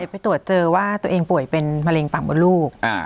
เด็ดไปตรวจเจอว่าตัวเองป่วยเป็นมะเร็งปังบนลูกอ่า